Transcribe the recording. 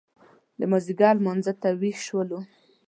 د مازیګر لمانځه ته وېښ شولو.